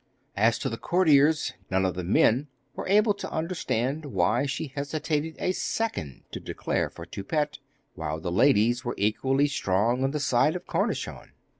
As to the courtiers, none of the men were able to understand why she hesitated a second to declare for Toupette; while the ladies were equally strong on the side of Cornichon.